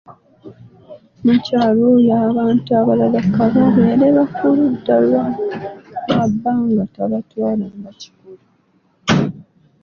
Nnakyala oyo abantu abalala ka babeere ba ku ludda lwa bba nga tabatwala ng'ekikulu.